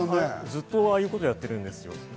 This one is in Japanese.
ずっとああいうことやってるんですよ。